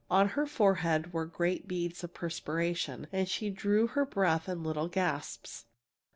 On her forehead were great beads of perspiration, and she drew her breath in little gasps.